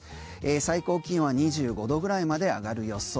最高気温は２５度ぐらいまで上がる予想。